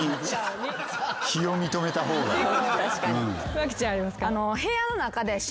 麻貴ちゃんありますか？